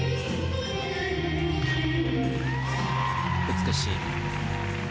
美しい。